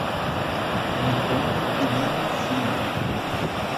Antônio Turibio Filho